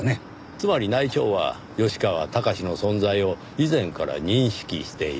つまり内調は吉川崇の存在を以前から認識していた。